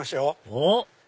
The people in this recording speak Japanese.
おっ！